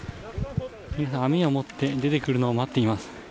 網を持って出てくるのを待っています。